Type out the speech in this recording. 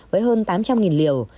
với hơn tám trăm linh liều